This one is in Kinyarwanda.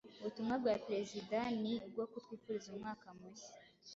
Ubutumwa bwa Perezida u ni ubwo kutwifuriza umwaka mushya